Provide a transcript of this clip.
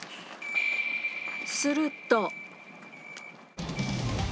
すると。